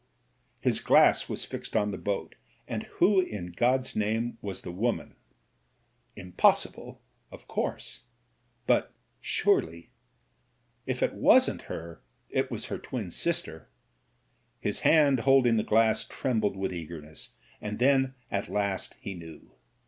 His glass was fixed on the boat, and who in God's name was the woman — ^impossible, of course — but surely. ... If it wasn't her it was her twin sister; his hand holding the glass trembled with eagerness, and then at last he knew.